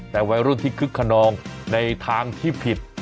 แต่วัยรุ่นที่คึกขนองในทางที่ผิด